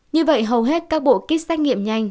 như vậy hầu hết các bộ kit xét nghiệm nhanh